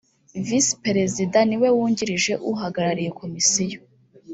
visi perezida niwe wungirije uhagarariye komisiyo.